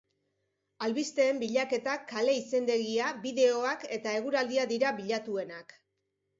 Albisteen bilaketa, kale-izendegia, bideoak eta eguraldia dira bilatuenak.